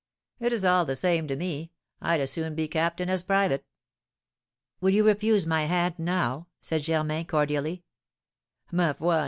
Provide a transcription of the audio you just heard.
"It is all the same to me, I'd as soon be captain as private." "Will you refuse my hand now?" said Germain, cordially. "_Ma foi!